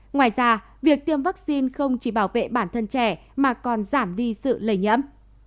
ngoài ra việc tiêm vaccine không chỉ bảo vệ bản thân trẻ mà còn giảm đi sự lây nhiễm